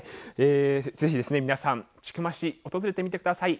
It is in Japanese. ぜひ皆さん千曲市訪れてみてください。